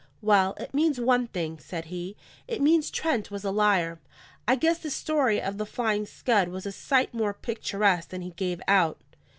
"Well, it means one thing," said he. "It means Trent was a liar. I guess the story of the Flying Scud was a sight more picturesque than he gave out."